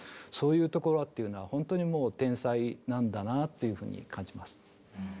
そういうところっていうのは本当にもう天才なんだなっていうふうに感じます。